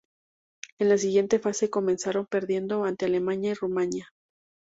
En la siguiente fase comenzaron perdiendo ante Alemania y Rumanía.